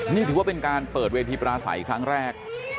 นี่ถือว่าเป็นการเปิดเวทีปราศัยครั้งแรก